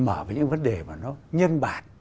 mở với những vấn đề mà nó nhân bản